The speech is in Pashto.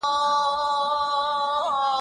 چې ترې پاتې خاني برخه د بهرام شي